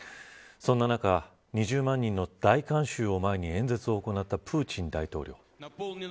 そんな中、２０万人の大観衆を前に演説を行ったプーチン大統領